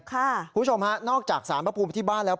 คุณผู้ชมฮะนอกจากสารพระภูมิที่บ้านแล้ว